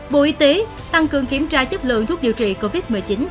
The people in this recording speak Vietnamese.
bộ y tế tăng cường kiểm tra chất lượng thuốc điều trị covid một mươi chín